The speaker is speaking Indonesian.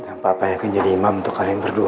dan papa akan jadi imam untuk kalian berdua